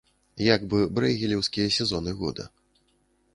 Як бы брэйгелеўскія сезоны года.